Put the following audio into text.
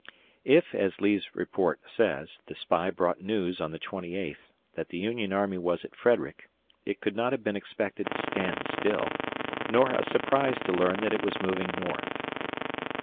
If, as Lee's report says, the spy brought news on the twenty eighth that the Union army was at Frederick, it could not have been expected to stand still; nor a surprise to learn that it was moving north.